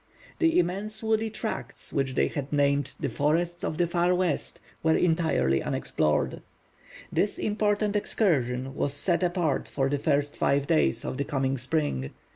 The immense woody tracts which they had named the Forests of the Far West were entirely unexplored. This important excursion was set apart for the first five days of the coming spring.